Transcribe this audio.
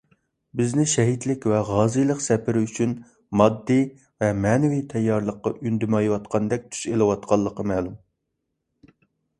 بىزنى شەھىدلىك ۋە غازىيلىق سەپىرى ئۈچۈن ماددىي ۋە مەنىۋى تەييارلىققا ئۈندىمەيۋاتقاندەك تۈس ئېلىۋاتقانلىقى مەلۇم.